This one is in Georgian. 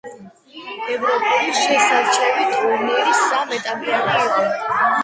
ევროპული შესარჩევი ტურნირი სამ ეტაპიანი იყო.